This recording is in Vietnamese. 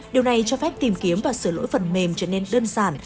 điều này cho phép tìm kiếm và sửa lỗi phần mềm trở nên đơn giản